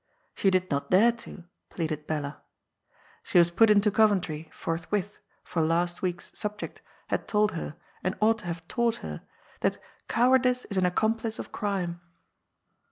She did not dare to, pleaded Bella. She was put into Coventry, 218 GOD'S POOL. forthwith, for last week's ^* subject " had told her, and ought to have taught her, that ^' Cowardice is an Accomplice of Crime."